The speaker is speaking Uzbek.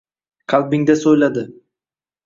Qalbingda so’yladi